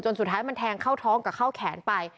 สุดท้ายมันแทงเข้าท้องกับเข้าแขนไป